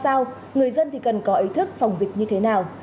sau đó người dân cần có ý thức phòng dịch như thế nào